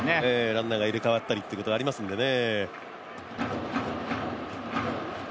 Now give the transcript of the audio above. ランナーが入れ替わったりっていうことがありますんでね。